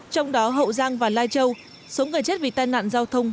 trong đó hậu giang và lai châu số người chết vì tai nạn giao thông